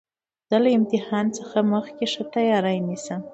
زه له امتحان څخه مخکي ښه تیاری نیسم.